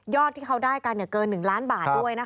ที่เขาได้กันเกิน๑ล้านบาทด้วย